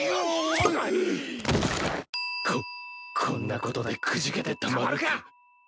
こっこんなことでくじけてたまるか！